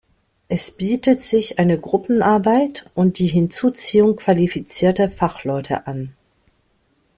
Es bietet sich eine Gruppenarbeit und die Hinzuziehung qualifizierter Fachleute an.